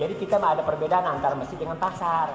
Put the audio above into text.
jadi kita ada perbedaan antara masjid dengan pasar